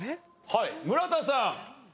はい村田さん。